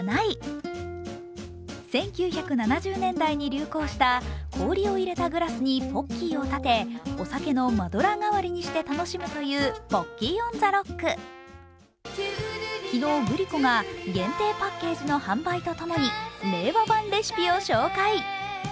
１９７０年代に流行した氷を入れたグラスにポッキーを立てお酒のマドラー代わりにして楽しむというポッキー・オン・ザ・ロック昨日、グリコが限定パッケージの販売とともに令和版レシピを紹介。